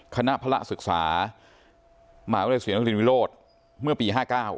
คณะภรรษึกษามหาวิทยาลัยศิริยนตรีวิโรธเมื่อปี๑๙๕๙